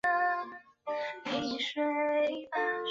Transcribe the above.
与吉田茂亲近。